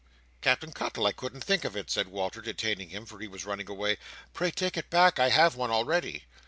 "Captain Cuttle! I couldn't think of it!" cried Walter, detaining him, for he was running away. "Pray take it back. I have one already."